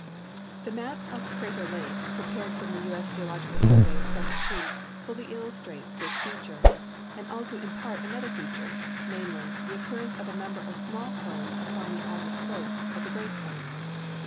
The map of Crater lake, prepared from the U. S. Geological Survey special sheet, fully illustrates this feature, and also in part another feature, namely, the occurrence ofa number of small cones upon tiie outer slope of the great cone.